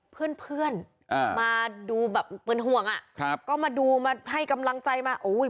เพื่อนเพื่อนอ่ามาดูแบบเป็นห่วงอ่ะครับก็มาดูมาให้กำลังใจมาอุ้ย